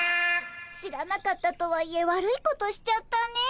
知らなかったとはいえ悪いことしちゃったね。